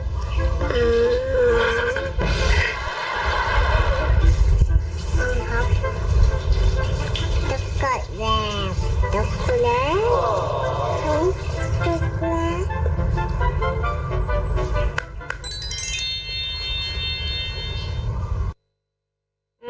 อืมมม